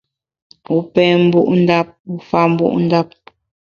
Wu pem mbu’ ndap, wu fa mbu’ ndap.